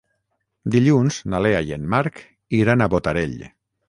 Dilluns na Lea i en Marc iran a Botarell.